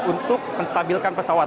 untuk menstabilkan pesawat